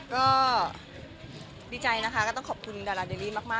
ก็ดีใจนะคะก็ต้องขอบคุณดาราเดลลี่มาก